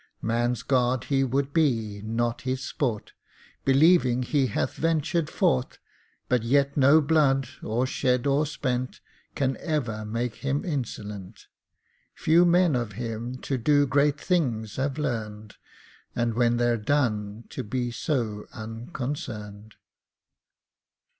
Man's guard he would be, not his sport, Believing he hath ventured for't; But yet no blood, or shed or spent, Can ever make him insolent. Few men of him to do great things have learned, And when they're done to be so unconcerned.